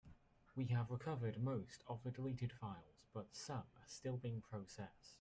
We have recovered most of the deleted files, but some are still being processed.